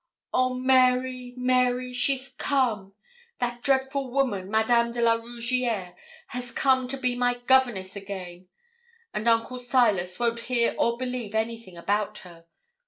'Oh, Mary, Mary, she's come that dreadful woman, Madame de la Rougierre, has come to be my governess again; and Uncle Silas won't hear or believe anything about her.